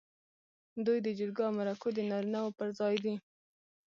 دوی د جرګو او مرکو د نارینه و پر ځای دي.